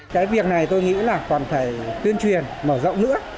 cái việc này tôi nghĩ là còn phải tuyên truyền mở rộng nữa